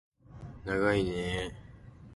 ながいねー